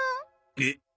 えっ。